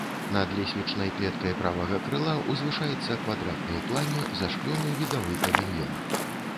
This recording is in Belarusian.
Над лесвічнай клеткай правага крыла ўзвышаецца квадратны ў плане зашклёны відавы павільён.